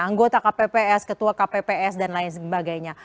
anggota kpps ketua kpps dan lain sebagainya